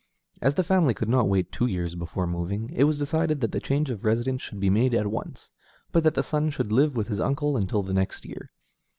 As the family could not wait two years before moving, it was decided that the change of residence should be made at once, but that the son should live with his uncle until the next year.